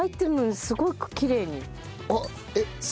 すごくきれいです。